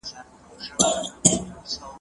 باغ او باغچه به ستا وي